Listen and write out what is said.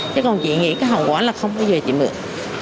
chứ còn chị nghĩ cái hậu quả là không bao giờ chị mượn